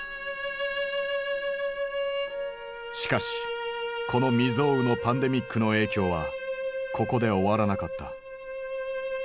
しかしこの未曽有のパンデミックの影響はここで終わらなかった。